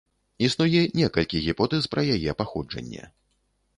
Існуе некалькі гіпотэз пра яе паходжанне.